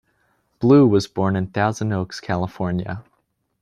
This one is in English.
Blue was born in Thousand Oaks, California.